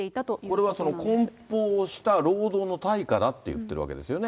これはこん包した労働の対価だと言ってるわけですよね。